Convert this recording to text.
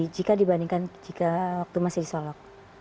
jika dibandingkan jika waktu masih di solok